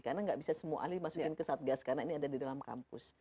karena nggak bisa semua ahli masukin ke satgas karena ini ada di dalam kampus